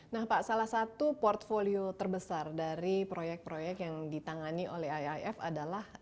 nah pak salah satu portfolio terbesar dari proyek proyek yang ditangani oleh iif adalah